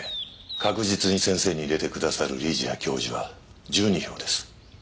確実に先生に入れてくださる理事や教授は１２票です。